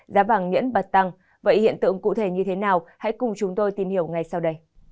giá vàng nhẫn bật tăng vậy hiện tượng cụ thể như thế nào hãy cùng chúng tôi tìm hiểu ngay sau đây